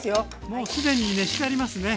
もう既に熱してありますね。